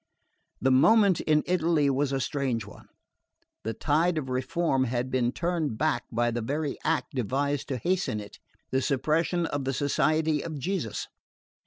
The moment in Italy was a strange one. The tide of reform had been turned back by the very act devised to hasten it: the suppression of the Society of Jesus.